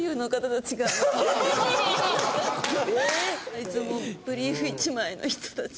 いつもブリーフ１枚の人たち。